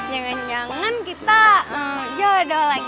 jangan jangan kita jodoh lagi